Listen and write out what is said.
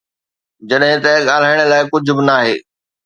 جڏهن ته ڳالهائڻ لاءِ ڪجهه به ناهي.